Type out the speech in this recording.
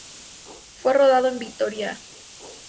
Fue rodado en Vitoria.